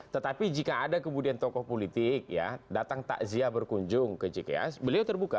tetapi jika ada kemudian tokoh politik ya datang takziah berkunjung ke jks beliau terbuka